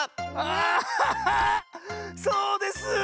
そうです！